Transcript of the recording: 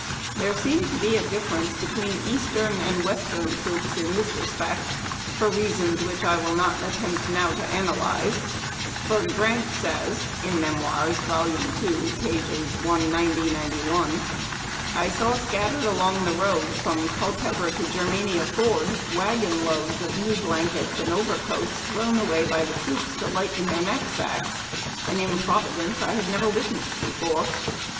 There seemed to be a difference between Eastern and Western troops in this respect, for reasons which I will not attempt now to analyze, for Grant says (Memoirs, vol. ii., pp. 190 191): —" I saw scattered along the road, from Culpeper to Ger mania Ford, wagon loads of new blankets and overcoats thrown away by the troops to lighten their knapsacks ; an improvidence I had never witnessed before."